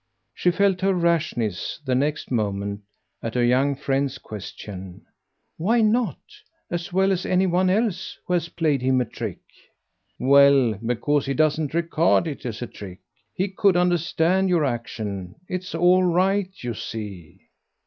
She felt her rashness, the next moment, at her young friend's question. "Why not, as well as any one else who has played him a trick?" "Well, because he doesn't regard it as a trick. He could understand your action. It's all right, you see."